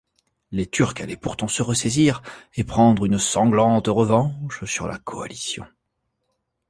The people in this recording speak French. Les Turcs allaient pourtant se ressaisir et prendre une sanglante revanche sur la coalition.